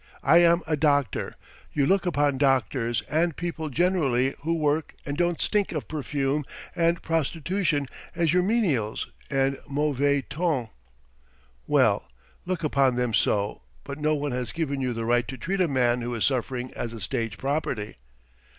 I am a doctor; you look upon doctors and people generally who work and don't stink of perfume and prostitution as your menials and mauvais ton; well, you may look upon them so, but no one has given you the right to treat a man who is suffering as a stage property!"